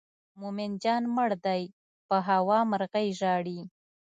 مومن جان مړ دی په هوا مرغۍ ژاړي.